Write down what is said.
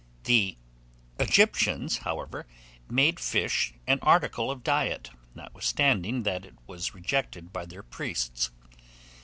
The Egyptians, however, made fish an article of diet, notwithstanding that it was rejected by their priests.